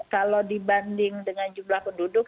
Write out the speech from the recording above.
kalau dibanding dengan jumlah penduduk